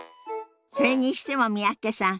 それにしても三宅さん